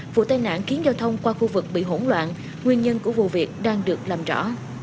vụ tai nạn khiến giao thông qua khu vực bị hỗn loạn nguyên nhân của vụ việc đang được làm rõ